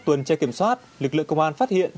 tuần tra kiểm soát lực lượng công an phát hiện